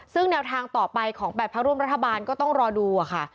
ซึ่งแนวทางต่อไปของ๘พักร่วมรัฐบาลก็ต้องรอดูค่ะ